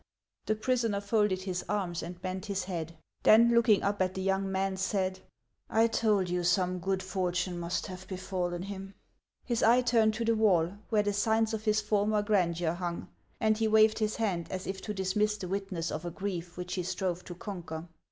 The prisoner folded his arms and bent his head, then 52 HANS OF ICELAND. looking up at the young man, said :" I told you some good fortune must Lave befallen him !" His eye turned to the wall, where the signs of his former grandeur hung, and he waved his hand, as if to dismiss the witness of a grief which he strove to conquer.